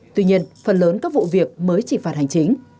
tuy nhiên phần lớn các vụ việc mới chỉ phạt hành chính